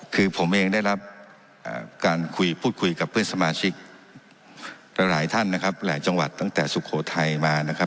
คือผมเองได้รับการคุยพูดคุยกับเพื่อนสมาชิกหลายท่านนะครับหลายจังหวัดตั้งแต่สุโขทัยมานะครับ